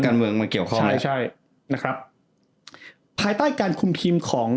เมืองมาเกี่ยวข้องใช่ใช่นะครับภายใต้การคุมทีมของ